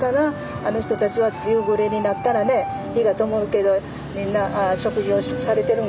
あの人たちは夕暮れになったらね灯がともるけどみんな食事をされてるのかなとかね